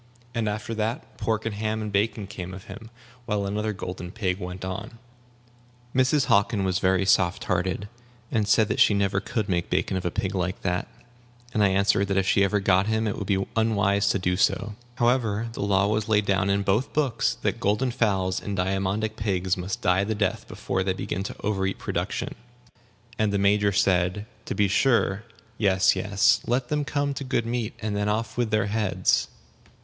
And after that, pork and ham and bacon came of him, while another golden pig went on. Mrs. Hockin was very soft hearted, and said that she never could make bacon of a pig like that; and I answered that if she ever got him it would be unwise to do so. However, the law was laid down in both books that golden fowls and diamondic pigs must die the death before they begin to overeat production; and the Major said, "To be sure. Yes, yes. Let them come to good meat, and then off with their heads."